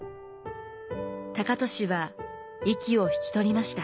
高利は息を引き取りました。